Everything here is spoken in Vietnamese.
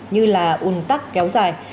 như là un tắc kéo dài